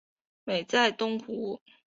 美哉东湖！